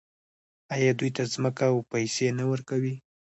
آیا دوی ته ځمکه او پیسې نه ورکوي؟